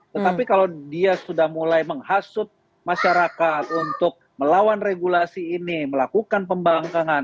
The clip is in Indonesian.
tetapi kalau dia sudah mulai menghasut masyarakat untuk melawan regulasi ini melakukan pembangkangan